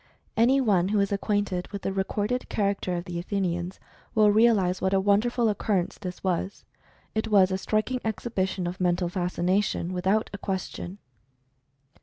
Any one who is acquainted with the re corded character of the Athenians will realize what a wonderful occurrence this was. It was a striking ex hibition of Mental Fascination, without a question.